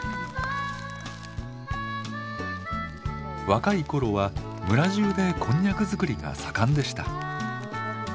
若い頃は村じゅうでこんにゃく作りが盛んでした。